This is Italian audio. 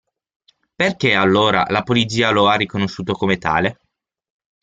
Perché allora la polizia lo ha riconosciuto come tale?